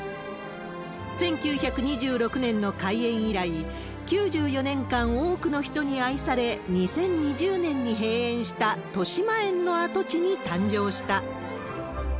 １９２６年の開園以来９４年間、多くの人に愛され、２０２０年に閉園した、としまえんの跡地に誕生した。